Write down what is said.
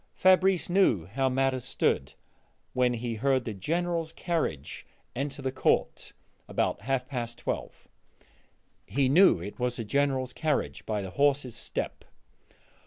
Fabrice knew how matters stood when he heard the General's carriage enter the court about half past twelve; he knew it was the General's carriage by the horses' step.